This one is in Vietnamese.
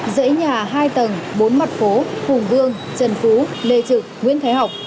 dãy nhà hai tầng bốn mặt phố hùng vương trần phú lê trực nguyễn thái học